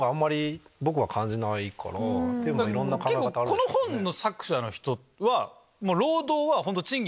この本の作者の人は。